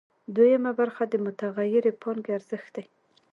دویمه برخه د متغیرې پانګې ارزښت دی